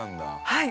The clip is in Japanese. はい。